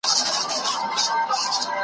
جهنم ته چي د شیخ جنازه یوسي .